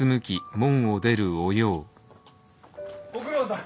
ご苦労さん！